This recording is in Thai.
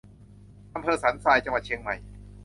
อำเภอสันทราย จังหวัดเชียงใหม่